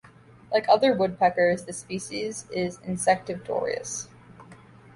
Like other woodpeckers, this species is insectivorous.